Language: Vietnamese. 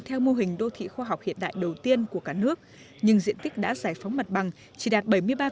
theo mô hình đô thị khoa học hiện đại đầu tiên của cả nước nhưng diện tích đã giải phóng mặt bằng chỉ đạt bảy mươi ba